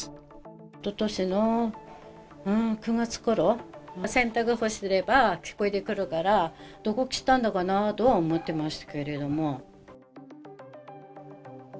おととしの９月ころ、洗濯干してれば聞こえてくるから、どこ切ったのかなとは思ってまし